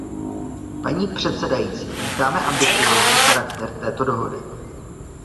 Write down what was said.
Paní předsedající, vítáme ambiciózní charakter této dohody.